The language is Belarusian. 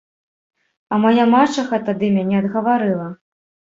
А мая мачаха тады мяне адгаварыла.